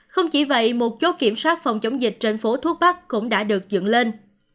không chỉ vậy một chốt kiểm soát phòng chống dịch trên phố thuốc bắc cũng đã được dựng lên